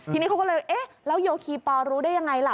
ทีนี้เขาก็เลยแล้วโยคีปอร์รู้ได้อย่างไรล่ะ